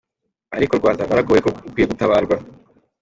Ariko Rwanda waragowe koko; ukwiye gutabarwa.